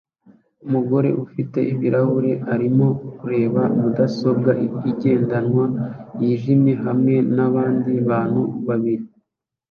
Umugore ufite ibirahure arimo kureba mudasobwa igendanwa yijimye hamwe nabandi bantu babiri